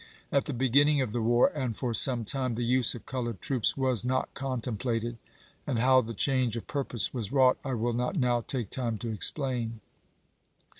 At the beginning of the war, and for some time, the use of colored troops was not contemplated ; and how the change of purpose was wrought I will not now take time to explain.